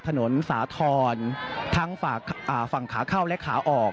ถนนสาธรณ์ทั้งฝั่งขาเข้าและขาออก